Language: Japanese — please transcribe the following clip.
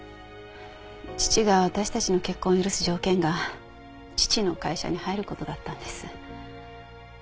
父が私たちの結婚を許す条件が父の会社に入る事だったんです。